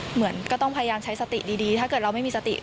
เหมือนก็ต้องพยายามใช้สติดีถ้าเกิดเราไม่มีสติ